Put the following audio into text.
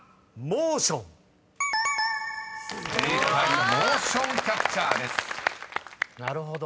「モーションキャプチャー」です］